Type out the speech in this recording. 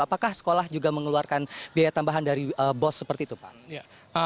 apakah sekolah juga mengeluarkan biaya tambahan dari bos seperti itu pak